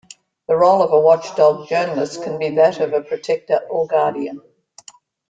The role of a watchdog journalist can be that of a protector or guardian.